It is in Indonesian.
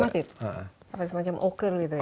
apa itu semacam ocher gitu ya